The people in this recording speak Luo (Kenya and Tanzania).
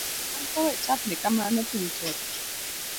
Nyako wechapni kamano piny tek.